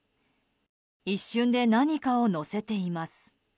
一瞬で何かをのせています。